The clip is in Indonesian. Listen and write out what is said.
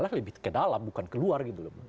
pks itu nilai islamnya ke dalam bukan keluar gitu loh